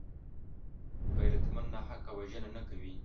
غیرتمند ناحقه وژنه نه کوي